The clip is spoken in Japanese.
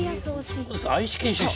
愛知県出身。